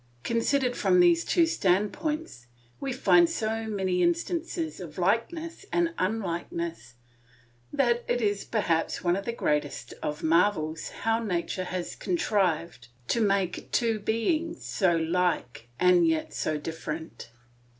Considered from these two standpoints, we find so many instances of likeness and unlikeness that it is perhaps one of the greatest of marvels how nature has contrived to make two beings so like and yet so different.